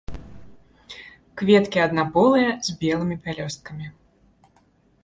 Кветкі аднаполыя, з белымі пялёсткамі.